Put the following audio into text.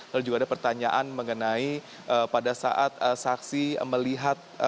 lalu juga ada pertanyaan mengenai pada saat saksi melihat